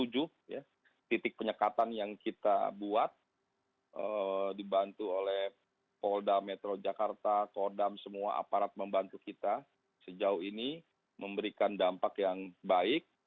jadi titik penyekatan yang kita buat dibantu oleh koldam metro jakarta koldam semua aparat membantu kita sejauh ini memberikan dampak yang baik